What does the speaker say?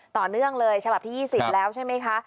ต่อเนื่องเลยฉบับที่๒๐แล้วใช่ไหมคะ